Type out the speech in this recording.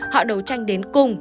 họ đấu tranh đến cùng